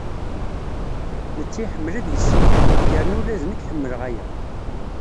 Netta iḥemmel ad yessikel, yerna ula d nekk ḥemmleɣ aya.